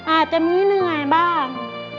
อาจจะมีเหนื่อยบ้าง